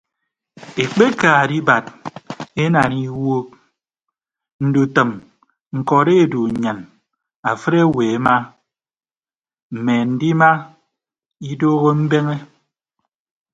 Ekpeka edibad enaana iwuuk ndutʌm ñkọrọ edu nnyin afịd owo ema mme andima idooho mbeñe.